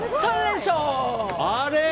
あれ！